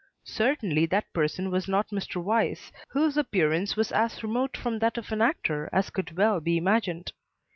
Certainly that person was not Mr. Weiss, whose appearance was as remote from that of an actor as could well be imagined.